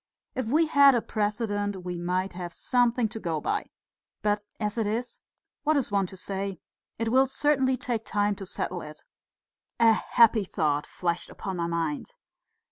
If we had a precedent we might have something to go by. But as it is, what is one to say? It will certainly take time to settle it." A happy thought flashed upon my mind.